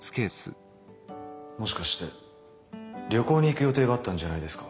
もしかして旅行に行く予定があったんじゃないですか？